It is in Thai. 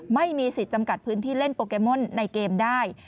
ไม่มีสิทธิ์จำกัดพื้นที่เล่นโปเกมอนในเกมได้